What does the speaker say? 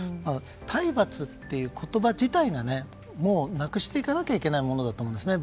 体罰っていう言葉自体がなくしていかなきゃいけないものだと思いますね。